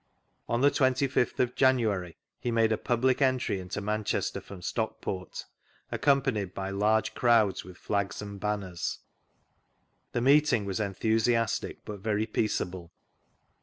On the 25tfa of January, he made a public entry into Manchester from Stockport, accompanied by large crowds with flags and banners. The meeting was enthusiastic but very peaceable.